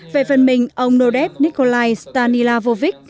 về phần mình ông nô đét nikolai stanilovitch